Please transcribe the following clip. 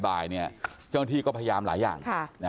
เจ้าหน้าที่ก็พยายามหลายอย่าง